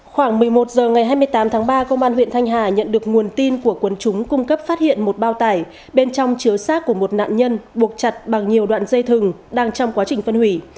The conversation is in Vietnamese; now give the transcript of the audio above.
khoảng một mươi một h ngày hai mươi tám tháng ba công an huyện thanh hà nhận được nguồn tin của quân chúng cung cấp phát hiện một bao tải bên trong chứa sát của một nạn nhân buộc chặt bằng nhiều đoạn dây thừng đang trong quá trình phân hủy